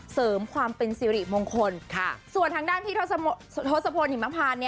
เสริมความเป็นสิริมงคลส่วนทางด้านพี่ทศพลหิมพาน